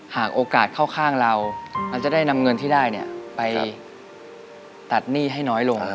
หากโอกาสเข้าข้างเราเราจะได้นำเงินที่ได้ไปตัดหนี้ให้น้อยลง